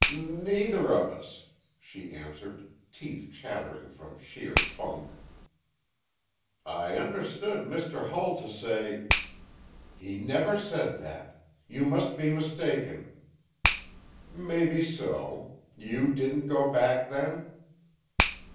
"N neither of us," she answered, teeth chattering from sheer funk. "I understood Mr. Hull to say " "He never said that. Y you must be mistaken." "Mebbeso. You didn't go back, then?"